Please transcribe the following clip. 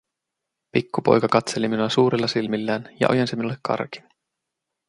Pikku poika katseli minua suurilla silmillään ja ojensi minulle karkin.